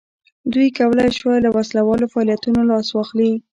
دوی کولای شوای له وسله والو فعالیتونو لاس واخلي.